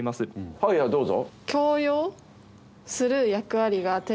はいはいどうぞ。